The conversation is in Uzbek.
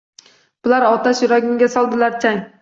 Bular otash yuragimga soldilar chang